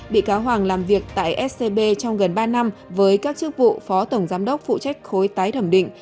bị cáo hoàng làm việc tại scb trong gần ba năm với các chức vụ phó tổng giám đốc phụ trách khối tái thẩm định